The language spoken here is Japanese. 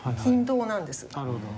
なるほどね。